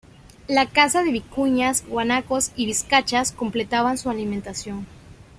La caza de vicuñas, guanacos y vizcachas complementaba su alimentación.